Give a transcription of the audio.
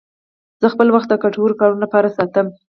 زه خپل وخت د ګټورو کارونو لپاره ساتم.